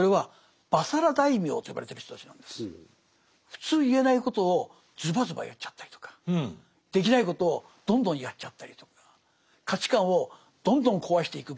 普通言えないことをズバズバ言っちゃったりとかできないことをどんどんやっちゃったりとか価値観をどんどん壊していく。